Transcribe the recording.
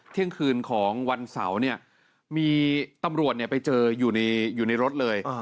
เที่ยงคืนของวันเสาร์เนี่ยมีตำรวจไปเจออยู่ในรถเลย